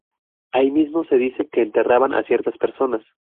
Ahí mismo se dice que enterraban a ciertas personas.